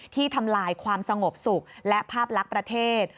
ทำลายความสงบสุขและภาพลักษณ์ประเทศ